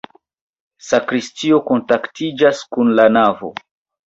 Sakristio kontaktiĝas kun la navo.